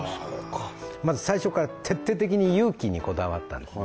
まず最初から徹底的に有機にこだわったんです